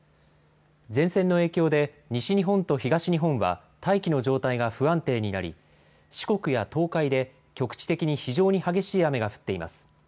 前線の影響で西日本と東日本は大気の状態が不安定になり四国や東海で局地的に非常に激しい雨が降っています。